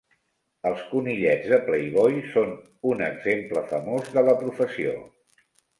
Els conillets de Playboy són un exemple famós de la professió.